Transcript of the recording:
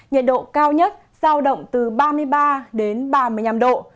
nhiệt độ cao nhất giao động từ ba mươi ba đến ba mươi năm độ